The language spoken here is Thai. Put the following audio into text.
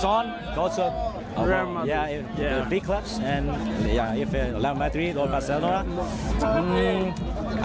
มีคนว่าที่อยากไปที่ซอนถ้าจะคิดว่าว่าเลอร์มัดริสหรือบาเซโลน่า